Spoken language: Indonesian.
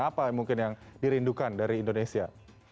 apa mungkin yang dirindukan dari indonesia